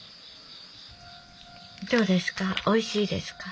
どうですか？